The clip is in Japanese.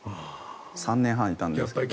３年半いたんですけど。